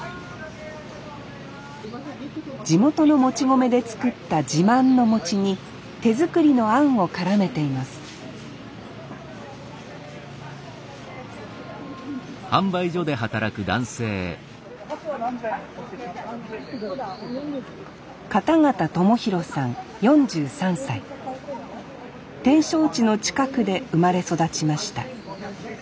地元のもち米で作った自慢の餅に手作りのあんを絡めています展勝地の近くで生まれ育ちました。